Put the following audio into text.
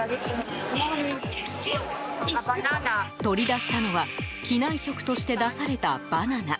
取り出したのは機内食として出されたバナナ。